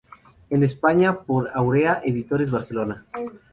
En España, por Aurea Editores, Barcelona.